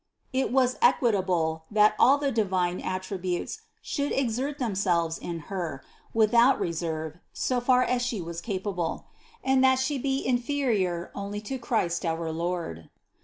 It was equitable, that all the divine attributes should exert themselves in Her, without reserve, so far as She was capable; and that She be inferior only to Christ our Lord.